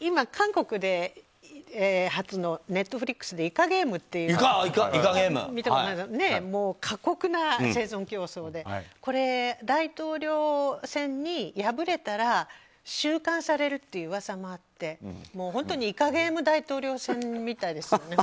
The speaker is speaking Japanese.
今、韓国で初のＮｅｔｆｌｉｘで「イカゲーム」って過酷な生存競争でこれ、大統領選に敗れたら収監されるといううわさもあって本当に「イカゲーム」大統領選みたいですよね。